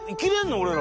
俺ら。